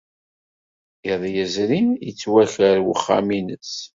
Iḍ yezrin, yettwaker wexxam-nnes.